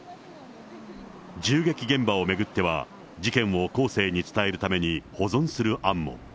銃撃現場を巡っては、事件を後世に伝えるために保存する案も。